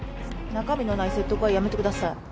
中身のない説得はやめてください。